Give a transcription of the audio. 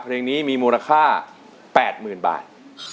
เพลงนี้มีมูลค่า๘๐๐๐บาท